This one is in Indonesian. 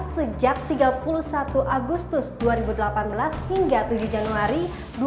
sejak tiga puluh satu agustus dua ribu delapan belas hingga tujuh januari dua ribu delapan belas